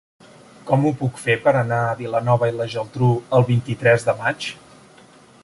Com ho puc fer per anar a Vilanova i la Geltrú el vint-i-tres de maig?